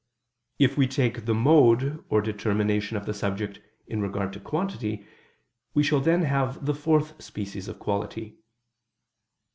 If we take the mode or determination of the subject in regard to quantity, we shall then have the fourth species of quality.